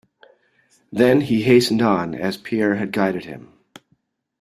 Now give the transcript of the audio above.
Then he hastened on, as Pierre had guided him.